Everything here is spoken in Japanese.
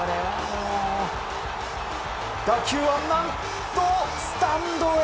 打球は何とスタンドへ！